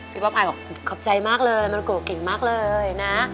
พี่ป๊อปอายขอบใจมากเลยมารุโกะเก่งมากเลยนะ